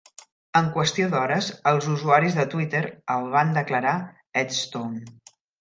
En qüestió d'hores, els usuaris de Twitter el van declarar "EdStone".